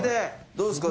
どうですか？